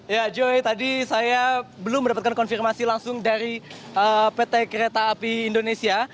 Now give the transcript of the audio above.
ya joy tadi saya belum mendapatkan konfirmasi langsung dari pt kereta api indonesia